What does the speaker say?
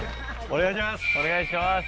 お願いします。